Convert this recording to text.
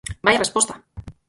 ¡Vaia resposta!